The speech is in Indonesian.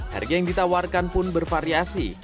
harga yang ditawarkan pun bervariasi